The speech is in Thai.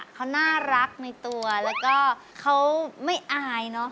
เขาน่ารักในตัวแล้วก็เขาไม่อายเนอะ